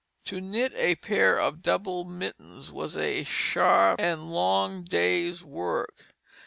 To knit a pair of double mittens was a sharp and long day's work.